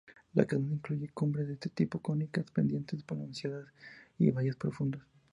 La cadena incluye cumbres de tipo cónicas, pendientes pronunciadas y valles profundos.